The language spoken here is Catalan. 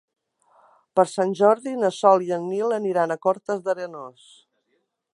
Per Sant Jordi na Sol i en Nil aniran a Cortes d'Arenós.